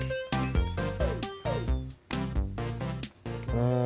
うん。